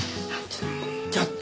ちょっと！